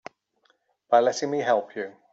By letting me help you.